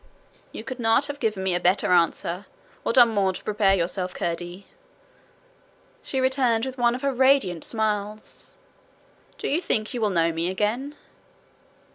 'You could not have given me a better answer, or done more to prepare yourself, Curdie,' she returned, with one of her radiant smiles. 'Do you think you will know me again?'